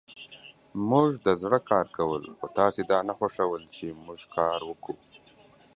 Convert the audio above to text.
موژدزړه کارکول خوتاسی دانه خوښول چی موژکاروکوو